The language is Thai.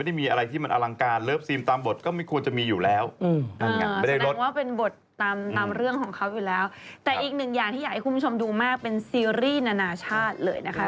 แต่อีกหนึ่งอย่างที่อยากให้คุณผู้ชมดูมากเป็นซีรีส์นานาชาติเลยนะคะ